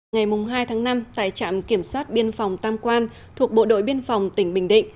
ngày hai tháng năm tại trạm kiểm soát biên phòng tam quan thuộc bộ đội biên phòng tỉnh bình định